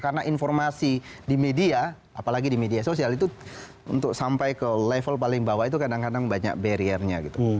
karena informasi di media apalagi di media sosial itu untuk sampai ke level paling bawah itu kadang kadang banyak barriernya gitu